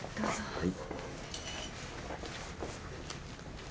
はい。